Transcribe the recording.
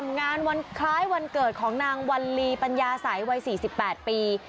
งานวันคล้ายวันเกิดของนางวัลลีปัญญาสัยวัย๔๘ปี